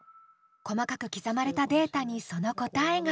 細かく刻まれたデータにその答えが。